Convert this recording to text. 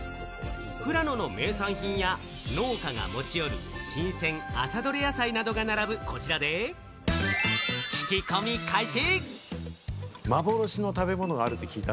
富良野の名産品や農家が持ち寄る新鮮、朝どれ野菜などが並ぶこちらで聞き込み開始。